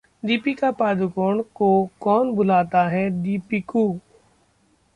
दीपिका पादुकोण को कौन बुलाता है 'दीपिकू'...